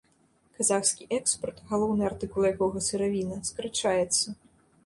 Казахскі экспарт, галоўны артыкул якога сыравіна, скарачаецца.